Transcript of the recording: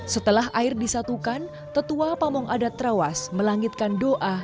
setelah air disatukan tetua pamong adat trawas melangitkan doa